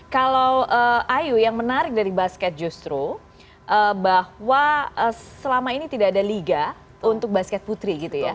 kalau ayu yang menarik dari basket justru bahwa selama ini tidak ada liga untuk basket putri gitu ya